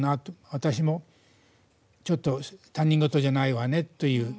私も、ちょっと他人ごとじゃないわね、という。